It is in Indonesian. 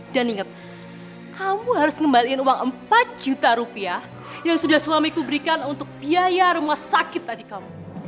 dan inget kamu harus ngembalikan uang empat juta rupiah yang sudah suamiku berikan untuk biaya rumah sakit tadi kamu